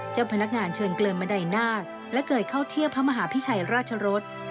เจ้าพนักงานเชิญเกินบันไดนาคและเกิดเข้าเทียบพระมหาพิชัยราชรส